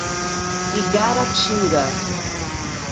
Igaratinga